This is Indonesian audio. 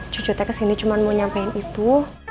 cucu teh kesini cuman mau nyampein itu